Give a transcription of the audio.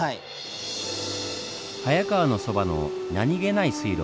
早川のそばの何気ない水路